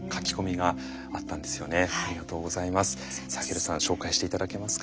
ありがとうございます。